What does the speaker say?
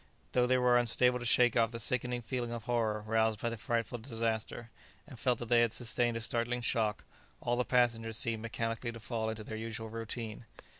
Though they were unable to shake off the sickening feeling of horror roused by the frightful disaster, and felt that they had sustained a startling shock, all the passengers seemed mechanically to fall into their usual routine.